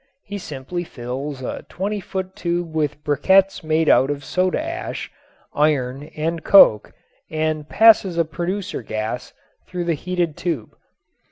He simply fills a twenty foot tube with briquets made out of soda ash, iron and coke and passes producer gas through the heated tube.